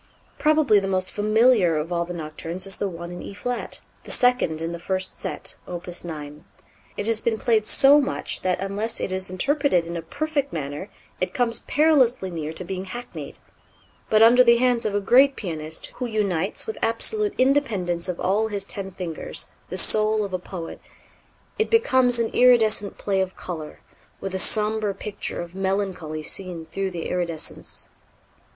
Probably the most familiar of all the Nocturnes is the one in E flat, the second in the first set, Opus 9. It has been played so much that unless it is interpreted in a perfect manner it comes perilously near to being hackneyed; but under the hands of a great pianist, who unites with absolute independence of all his ten fingers, the soul of a poet, it becomes an iridescent play of color, with a sombre picture of melancholy seen through the iridescence.